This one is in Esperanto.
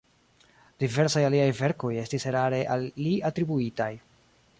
Diversaj aliaj verkoj estis erare al li atribuitaj.